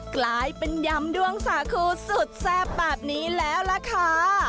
กลายเป็นยำดวงสาคูสุดแซ่บแบบนี้แล้วล่ะค่ะ